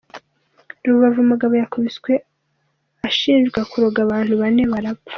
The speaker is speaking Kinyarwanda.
Rubavu umugabo Yakubiswe ashinjwa kuroga abantu bane barapfa